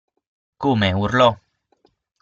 Come, urlò?